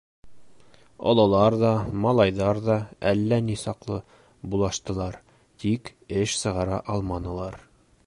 Ололар ҙа, малайҙар ҙа әллә ни саҡлы булаштылар, тик эш сығара алманылар.